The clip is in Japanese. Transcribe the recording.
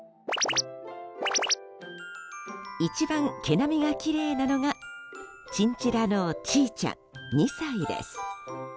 一番毛並みがきれいなのがチンチラのちーちゃん、２歳です。